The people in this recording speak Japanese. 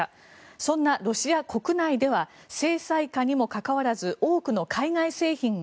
そんなロシア国内では制裁下にもかかわらず多くの海外製品が